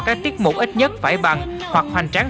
các tiết mục ít nhất phải bằng hoặc hoành tráng